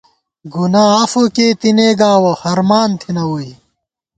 گُنا عفو کېئی تېنے گاوَہ ہرمان تھنہ ووئی